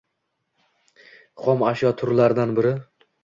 xom ashyo turlaridan biri.